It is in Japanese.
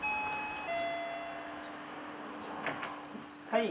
はい。